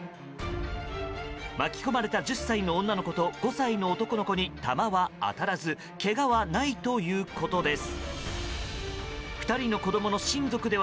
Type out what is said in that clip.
巻き込まれた１０歳の女の子と５歳の男の子に弾は当たらずけがはないということです。